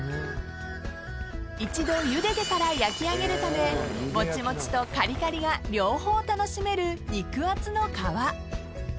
一度ゆでてから焼き上げるためもちもちとかりかりが両方楽しめる肉厚の皮。